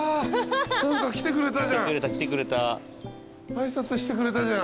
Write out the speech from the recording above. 何か来てくれたじゃん。